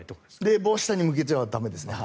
冷房は下に向けちゃ駄目ですね。